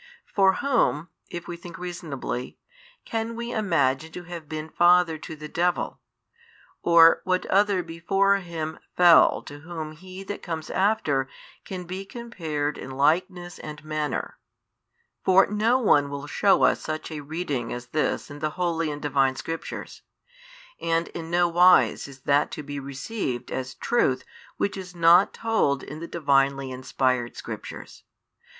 For whom (if we think reasonably) can we imagine to have been father to the devil, or what other before him fell to whom he that comes after can be compared in likeness and manner ? for no one will shew us such a reading as this in the holy and Divine Scriptures; and in no wise is that to be received as truth which is not told in the Divinely inspired Scriptures.